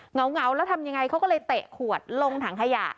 เหงาแล้วทำยังไงเขาก็เลยเตะขวดลงถังขยะ